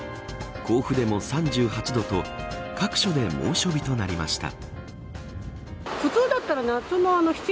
甲府でも３８度と各所で猛暑日となりました